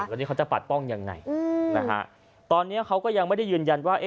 วันนี้เขาจะปัดป้องยังไงนะฮะตอนนี้เขาก็ยังไม่ได้ยืนยันว่า